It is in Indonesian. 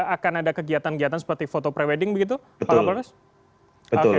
akan ada kegiatan kegiatan seperti foto prewedding begitu pak